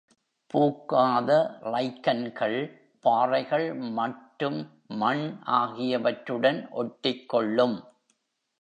பூக்காத லைக்கன்கள் பாறைகள் மற்றும் மண் ஆகியவற்றுடன் ஒட்டிக்கொள்ளும்.